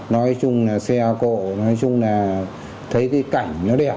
nói chung là xe cộ nói chung là thấy cái cảnh nó đẹp